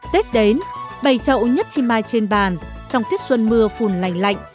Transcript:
tết đến bày chậu nhất chi mai trên bàn trong tuyết xuân mưa phùn lành lạnh